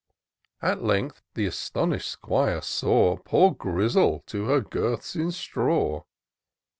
At length, the astonish'd 'Squire saw Poor Grizzle to her girths in straw.